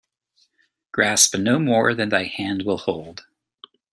Grasp no more than thy hand will hold.